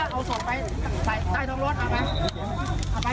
เอาส่วนไปใส่ตรงรถเอาไป